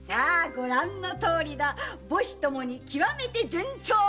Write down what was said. ご覧のとおりだ母子ともにきわめて順調！